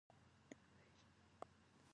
زه به د ماښام له خوا مطالعه وکړم.